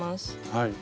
はい。